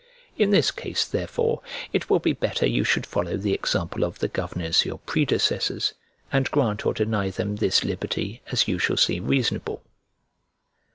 In this case, therefore, it will be better you should follow the example of the governors your predecessors, and grant or deny them this liberty as you shall see reasonable.